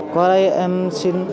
qua đây em xin